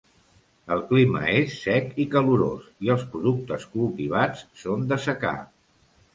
El clima és sec i calorós, i els productes cultivats són de secà.